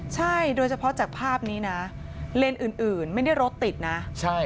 ใช่โดยเฉพาะจากภาพนี้นะเลนส์อื่นไม่ได้รถติดนะใช่